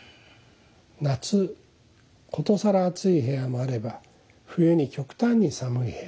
夏ことさら暑い部屋もあれば冬に極端に寒い部屋もある。